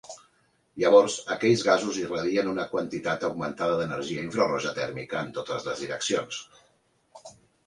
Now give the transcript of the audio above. Llavors, aquells gasos irradien una quantitat augmentada d'energia infraroja tèrmica en totes les direccions.